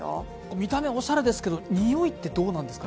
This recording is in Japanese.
見た目おしゃれですけど、臭いってどうなんですか？